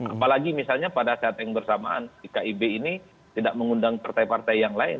apalagi misalnya pada saat yang bersamaan kib ini tidak mengundang partai partai yang lain